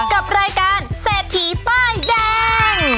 กับรายการเศรษฐีป้ายแดง